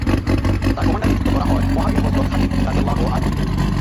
তার কমান্ডার নিযুক্ত করা হয় মহাবীর হযরত খালিদ রাযিয়াল্লাহু আনহু-কে।